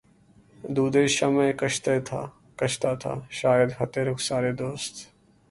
دودِ شمعِ کشتہ تھا شاید خطِ رخسارِ دوست